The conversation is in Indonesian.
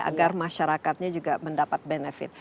agar masyarakatnya juga mendapat benefit